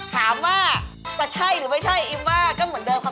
ถามว่าจะใช่หรือไม่ใช่อิมว่าก็เหมือนเดิมค่ะ